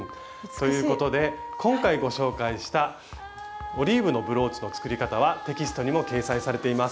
ということで今回ご紹介した「オリーブのブローチ」の作り方はテキストにも掲載されています。